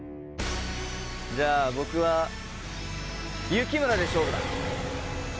じゃあ僕は幸村で勝負だ。